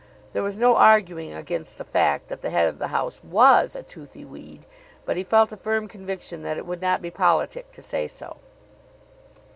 There was no arguing against the fact that the head of the house was a toothy weed; but he felt a firm conviction that it would not be politic to say so.